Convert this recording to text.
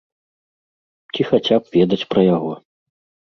Ці хаця б ведаць пра яго.